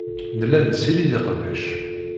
Nella nessirid iqbac.